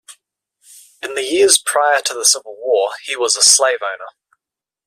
In the years prior to the Civil War, he was a slaveowner.